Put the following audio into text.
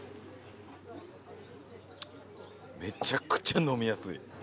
めちゃくちゃ飲みやすい。